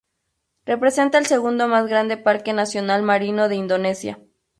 Representa el segundo más grande parque nacional marino de Indonesia.